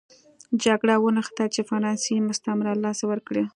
جګړه ونښته چې فرانسې مستعمره له لاسه ورکړه.